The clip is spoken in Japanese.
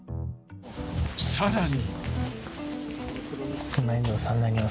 ［さらに］